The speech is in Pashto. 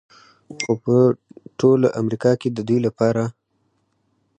خو په ټول امریکا کې د دوی لپاره x